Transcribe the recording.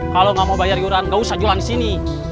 kalau enggak mau bayar yoran enggak usah jualan di sini